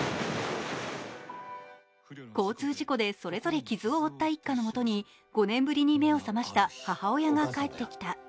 交通事故でそれぞれ傷を負った一家のもとに５年ぶりに目を覚ました母親が帰ってきた。